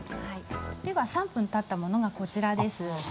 では３分たったものがこちらです。